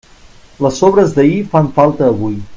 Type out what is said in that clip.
Les sobres d'ahir fan falta avui.